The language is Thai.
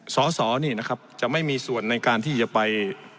สสนี่นะครับจะไม่มีส่วนในการที่จะไป